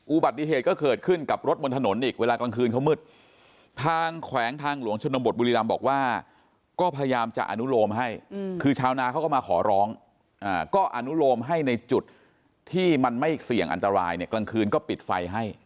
อุบัติเหตุก็เกิดขึ้นกับรถบนถนนอีกเวลากลางคืนเขามืดทางแขวงทางหลวงชนบทบุรีรำบอกว่าก็พยายามจะอนุโลมให้คือชาวนาเขาก็มาขอร้องก็อนุโลมให้ในจุดที่มันไม่เสี่ยงอันตรายเนี่ยกลางคืนก็ปิดไฟให้